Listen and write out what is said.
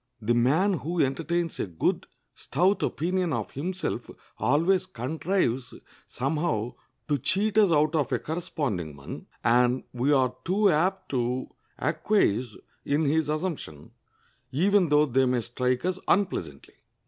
The man who entertains a good, stout opinion of himself always contrives somehow to cheat us out of a corresponding one, and we are too apt to acquiesce in his assumption, even though they may strike us unpleasantly.